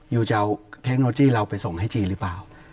ยูจะเอาเทคโนโลยีเราไปส่งให้จีนหรือเปล่า